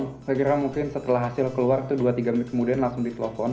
saya kira mungkin setelah hasil keluar itu dua tiga menit kemudian langsung ditelepon